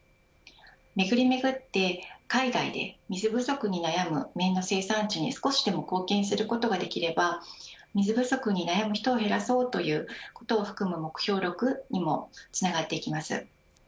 巡り巡って、海外で水不足に悩む綿の生産地に少しでも貢献することができれば水不足に悩む人を減らそうということを含む目標６にもつながっていきます。